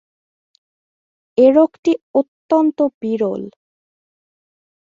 এ রোগটি অত্যন্ত বিরল।